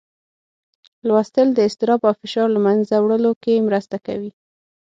لوستل د اضطراب او فشار له منځه وړلو کې مرسته کوي.